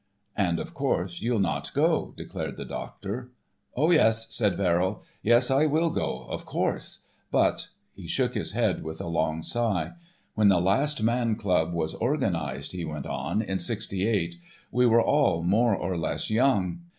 "And, of course, you'll not go," declared the doctor. "Oh, yes," said Verrill. "Yes, I will go, of course. But—" He shook his head with a long sigh. "When the Last Man Club was organised," he went on, "in '68, we were all more or less young.